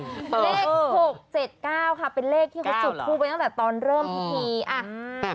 เลข๖๗๙ค่ะเป็นเลขที่เขาจุดคู่ไปตั้งแต่ตอนเริ่มพิธี